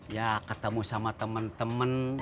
ya ketemu sama temen temen